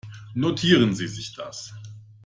Notieren Sie sich das.